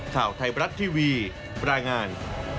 ข่าวไทยบรัฐทีวีรายงาน